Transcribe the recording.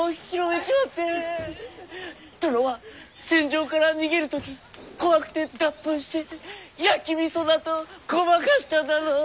殿は戦場から逃げる時怖くて脱糞して焼きみそだとごまかしただの。